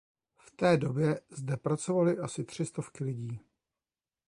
V té době zde pracovaly asi tři stovky lidí.